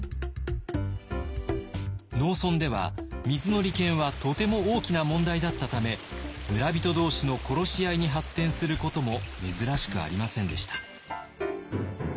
農村では水の利権はとても大きな問題だったため村人同士の殺し合いに発展することも珍しくありませんでした。